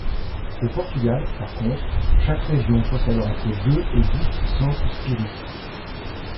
Au Portugal, par contre, chaque région possède entre deux et dix centres spirites.